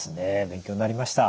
勉強になりました。